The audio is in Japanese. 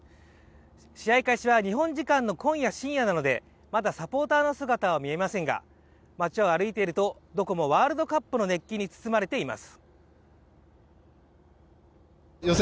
試合開始は日本時間の今夜深夜なのでまだサポーターの姿は見えませんが、街を歩いているとどこもワールドカップの熱気に包まれています。